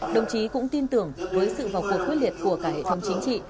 đồng chí cũng tin tưởng với sự vào cuộc quyết liệt của cả hệ thống chính trị